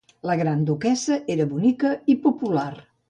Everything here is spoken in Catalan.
La Gran Duquessa era bonica i popular.